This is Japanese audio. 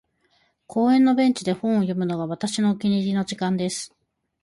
•公園のベンチで本を読むのが、私のお気に入りの時間です。